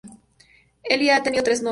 Ellie ha tenido tres novios.